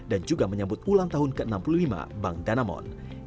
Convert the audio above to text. dan juga menyambut ulang tahun ke enam puluh lima bank danamon